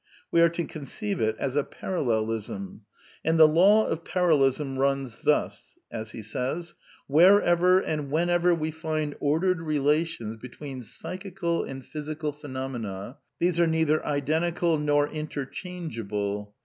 We are to conceive it as a parallelism. And the Law of ParaUeliioxuxiii^ thus: ''"^"^ "Wherever and whenever we find ordered relations between psychical and physical phenomena, these are neither identical nor interchangeable (tn einander transformirhar).